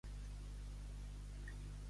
Fills de Déu.